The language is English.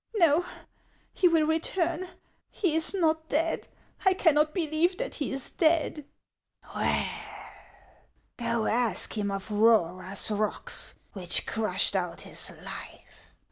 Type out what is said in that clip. " No, he will return ; he is not dead ; I cannot believe that he is dead." " Well, go ask him of Roeraas rocks, which crushed out HANS OF ICELAND.